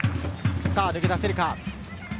抜け出せるか。